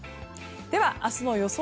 では、明日の予想